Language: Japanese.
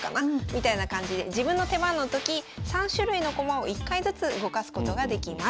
みたいな感じで自分の手番の時３種類の駒を１回ずつ動かすことができます。